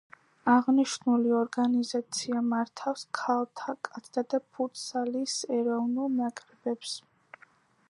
აღნიშნული ორგანიზაცია მართავს ქალთა, კაცთა და ფუტსალის ეროვნულ ნაკრებებს.